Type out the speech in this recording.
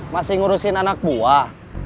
masih ngurusin anak buah